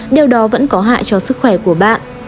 điều đó vẫn có hại cho sức khỏe của bạn